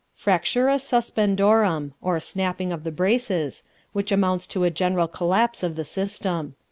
Fractura Suspendorum, or Snapping of the Braces, which amounts to a general collapse of the system.